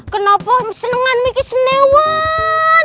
kenapa senengan mikir senewan